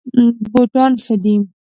بوټان ښه دي.